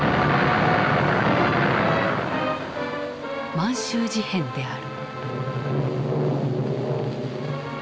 満州事変である。